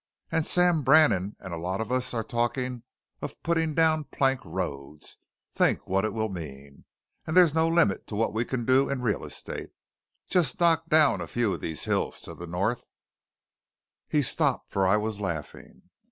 And Sam Brannan and a lot of us are talking of putting down plank roads. Think what that will mean! And there's no limit to what we can do in real estate! Just knock down a few of these hills to the north " He stopped, for I was laughing.